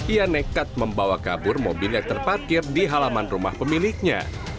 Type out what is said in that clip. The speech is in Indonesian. ia nekat membawa kabur mobil yang terparkir di halaman rumah pemiliknya